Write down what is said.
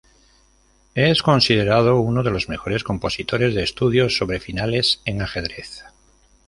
Es considerado uno de los mejores compositores de estudios sobre finales en ajedrez.